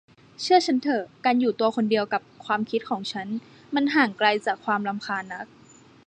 เชื่อฉันเถอะ การอยู่ตัวคนเดียวกับความคิดของฉัน มันห่างไกลจากความรำคาญนัก